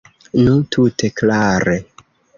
Nu, tute klare.